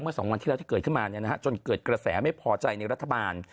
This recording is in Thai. ๒วันที่แล้วที่เกิดขึ้นมาจนเกิดกระแสไม่พอใจในรัฐบาล